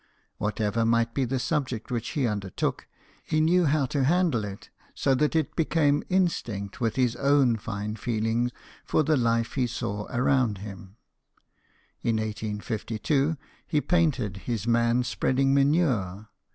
What ever might be the subject which he undertook, he knew how to handle it so that it became instinct with his own fine feeling for the life he saw around him. In 1852 he painted his " Man spreading Manure."